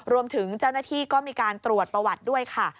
รวมถึงเจ้าหน้าที่ก็มีการตรวจประวัติด้วยค่ะ